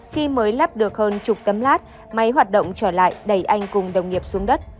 khi mới lắp được hơn chục tấn lát máy hoạt động trở lại đẩy anh cùng đồng nghiệp xuống đất